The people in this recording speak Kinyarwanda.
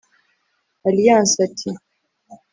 Alliance ati